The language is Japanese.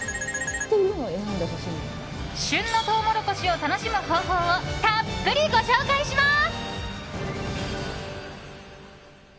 旬のトウモロコシを楽しむ方法をたっぷりご紹介します。